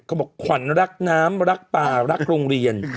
บอกขวัญรักน้ำรักป่ารักโรงเรียน